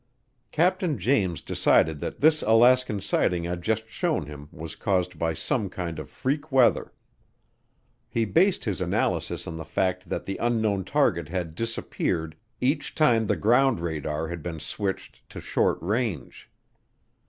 Captain James decided that this Alaskan sighting I'd just shown him was caused by some kind of freak weather. He based his analysis on the fact that the unknown target had disappeared each time the ground radar had been switched to short range.